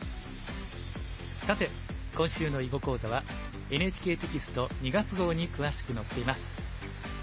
さて今週の囲碁講座はＮＨＫテキスト２月号に詳しく載っています。